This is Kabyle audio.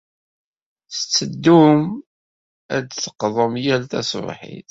Tetteddum ad d-teqḍum yal taṣebḥit.